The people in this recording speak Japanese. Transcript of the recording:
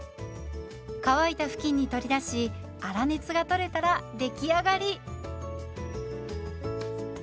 乾いた布巾に取り出し粗熱が取れたら出来上がり。